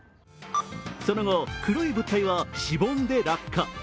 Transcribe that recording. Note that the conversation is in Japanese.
その後、黒い物体はしぼんで落下。